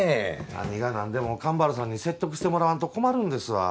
何がなんでも神原さんに説得してもらわんと困るんですわ。